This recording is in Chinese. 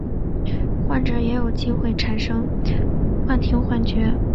患者也有机会产生幻听幻觉。